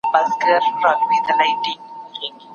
نوښتګر اوسئ او نوي کارونه وکړئ.